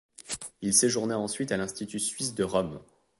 Il séjourna ensuite à l'Institut suisse de Rome.